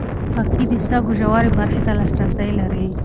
ټېکنالوژي د سږو ژورې برخې ته لاسرسی لري.